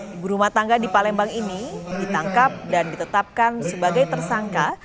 ibu rumah tangga di palembang ini ditangkap dan ditetapkan sebagai tersangka